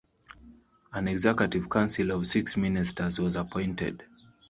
An Executive Council of six ministers was appointed.